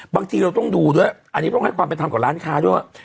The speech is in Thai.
บางทีเราต้องดูด้วยอันนี้ต้องให้ความเป็นธรรมกับร้านค้าด้วย